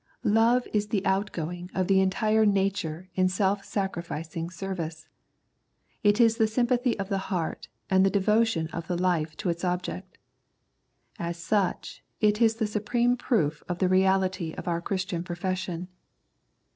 Love is the outgoing of the entire 128 Love and Discernment nature in self sacrificing service. It is the sympathy of the heart and the devotion of the life to its object. As such it is the supreme proof of the reality of our Christian profession.